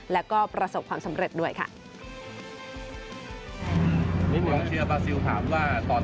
แล้วก็ประสบความสำเร็จด้วยค่ะ